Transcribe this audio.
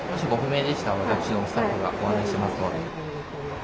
もしご不明でしたら私どもスタッフがご案内しますので。